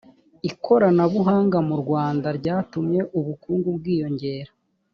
ikoranabuhanga mu rwanda ryatumye ubukungu bwiyongera